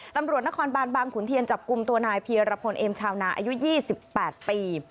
ตำรวจนครบานบางขุนเทียนจับกลุ่มตัวนายเพียรพลเอ็มชาวนาอายุ๒๘ปี